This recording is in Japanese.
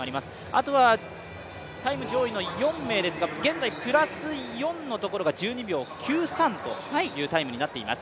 あとはタイム上位の４名ですが現在プラス４名のタイムが１２秒９３というタイムになっています。